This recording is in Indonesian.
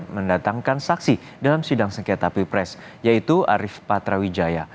mendatangkan saksi dalam sidang sengketa pilpres yaitu arief patrawijaya